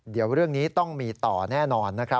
เดี๋ยวเรื่องนี้ต้องมีต่อแน่นอนนะครับ